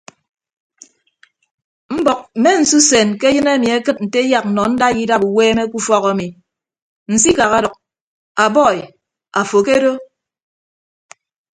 Mbọk mme nsusen ke ayịn ami akịd nte eyak nọ ndaiya idap uweeme ke ufọk ami nsikak ọdʌk a bọi afo kedo.